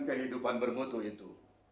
kehidupan bermutu itu